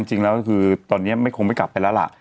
จริงแล้วก็คือตอนนี้ไม่คงไม่กลับไปแล้วล่ะ